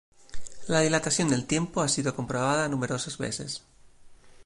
La dilatación del tiempo ha sido comprobada numerosas veces.